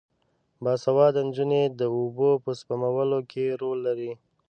باسواده نجونې د اوبو په سپمولو کې رول لري.